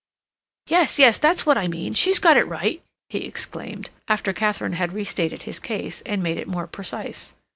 "Yes, yes, that's what I mean. She's got it right," he exclaimed, after Katharine had restated his case, and made it more precise.